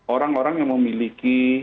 orang orang yang memiliki